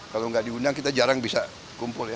kalau nggak diundang kita jarang bisa kumpul ya